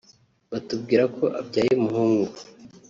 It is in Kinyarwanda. batubwira ko abyaye umuhungu